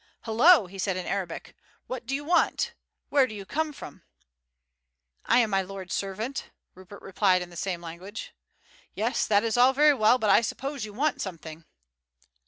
"Hullo!" he said in Arabic, "what do you want? Where do you come from?" "I am my lord's servant," Rupert replied in the same language. "Yes, that is all very well, but I suppose you want some thing."